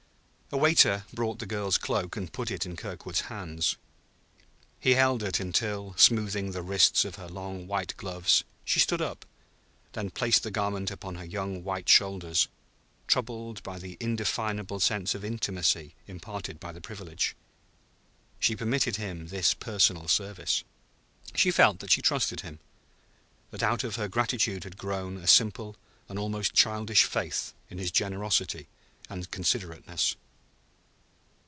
A waiter brought the girl's cloak and put it in Kirkwood's hands. He held it until, smoothing the wrists of her long white gloves, she stood up, then placed the garment upon her white young shoulders, troubled by the indefinable sense of intimacy imparted by the privilege. She permitted him this personal service! He felt that she trusted him, that out of her gratitude had grown a simple and almost childish faith in his generosity and considerateness.